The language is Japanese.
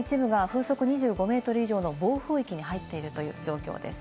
鹿児島県の一部が風速２５メートル以上の暴風域に入っているという状況です。